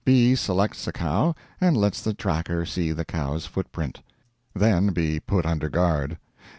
B. selects a cow and lets the tracker see the cow's footprint, then be put under guard.